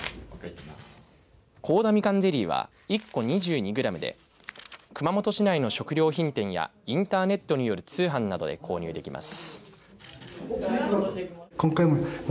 高田みかんゼリーは１個２２グラムで熊本市内の食料品店やインターネットによる通販などで購入できます。